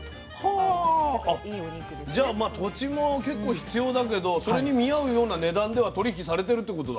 じゃあ土地も結構必要だけどそれに見合うような値段では取り引きされてるってことだ。